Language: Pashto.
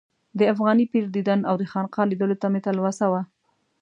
د افغاني پیر دیدن او د خانقا لیدلو ته مې تلوسه وه.